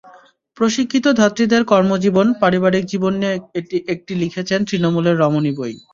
প্রশিক্ষিত ধাত্রীদের কর্মজীবন, পারিবারিক জীবন নিয়ে একটি লিখেছেন তৃণমূলের রমণী বই।